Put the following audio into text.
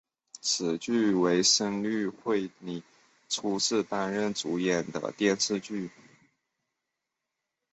此剧为深津绘里初次担任主演的电视剧。